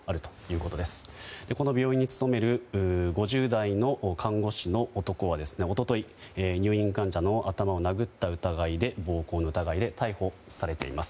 この病院に勤める５０代の看護師の男は一昨日、入院患者の頭を殴った暴行の疑いで逮捕されています。